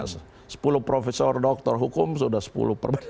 sepuluh profesor dokter hukum sudah sepuluh persen